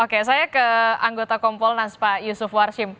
oke saya ke anggota kompolnas pak yusuf warshim